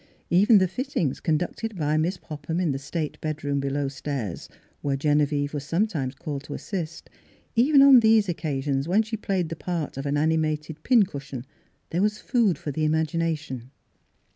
Even the fittings, conducted by Miss Popham in the state bedroom below stairs, where Gene vieve was sometimes called to assist — even on these occasions when she played the part of an animated pin cushion, there was food for the imagination.